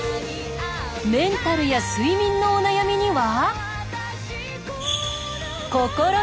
メンタルや睡眠のお悩みには。